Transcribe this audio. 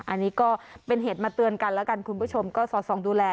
อันนี้ก็เป็นเหตุมาเตือนกันแล้วกันคุณผู้ชมก็สอดส่องดูแล